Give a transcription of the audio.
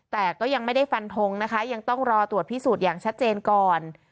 แต่ก็ยังไม่ได้ฟันทงนะคะยังต้องรอตรวจพิสูจน์อย่างชัดเจนก่อน